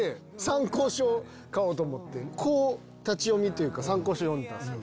こう立ち読みというか参考書読んでたんですよ。